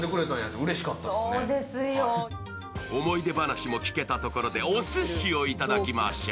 思い出話も聞けたところでおすしをいただきましょう。